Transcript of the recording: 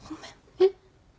えっ？